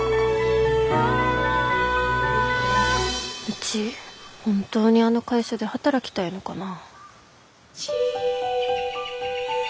うち本当にあの会社で働きたいのかな。